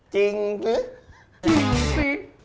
จริงหรือจริงสิ